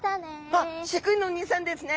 あっ飼育員のおにいさんですね。